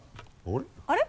あれ？